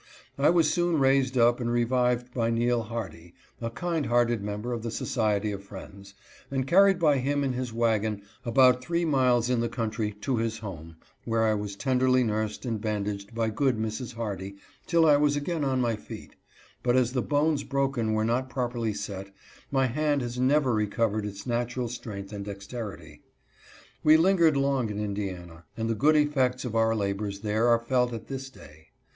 I was soon raised up and revived by Neal Hardy, a kind hearted member of the Society of Friends, and carried by him in his wagon about three miles in the country to his home, where I was tenderly nursed and bandaged by good Mrs. Hardy till I was again on my feet ; but, as the bones broken were not properly set, my hand has never recovered its natural strength and dexterity. We lingered long in Indiana, and the good effects of our labors there are felt at this day.